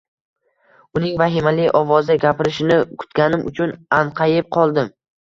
Uning vahimali ovozda gapirishini kutganim uchun anqayib qoldim